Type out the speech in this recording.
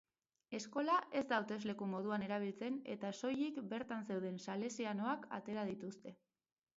Eskola ez da hautesleku moduan erabiltzen eta soilik bertan zeuden salesianoak atera dituzte.